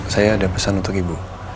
saya ada pesan untuk ibu